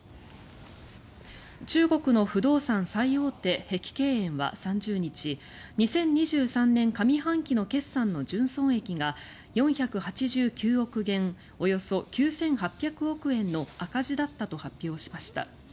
中国の不動産最大手碧桂園は３０日２０２３年上半期の決算の純損益が４８９億元およそ９８００億円の赤字だったと発表しました。